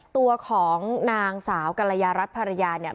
ตัวของนางสาวกรยารัฐภรรยาเนี่ย